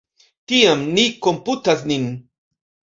Tiam, ni komputas nin.